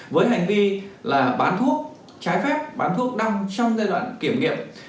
với hành vi bán thuốc trái phép bán thuốc đăng trong giai đoạn kiểm nghiệm